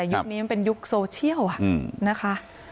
ยุคนี้เป็นยุคโซเชียลค่ะ